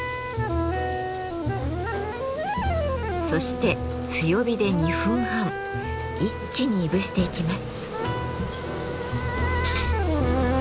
そして強火で２分半一気にいぶしていきます。